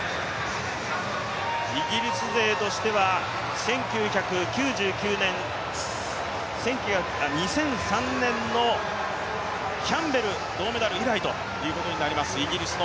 イギリス勢としては２００３年のキャンベル銅メダル以来ということになります。